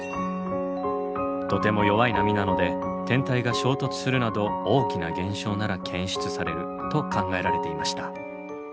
とても弱い波なので天体が衝突するなど大きな現象なら検出されると考えられていました。